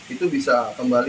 itu bisa kembali